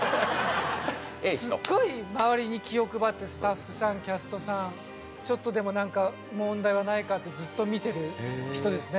すっごい周りに気を配ってスタッフさん、キャストさん、ちょっとでも何か問題はないかずっと見てる人ですね。